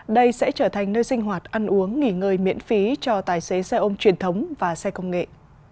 đây sẽ trở thành nơi sinh hoạt ăn uống nghỉ ngơi miễn phí cho tài xế xe ôm truyền thống và xe công nghệ